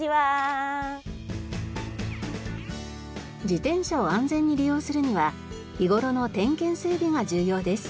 自転車を安全に利用するには日頃の点検・整備が重要です。